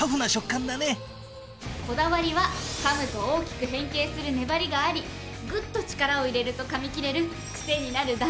こだわりは噛むと大きく変形する粘りがありグッと力を入れると噛み切れる。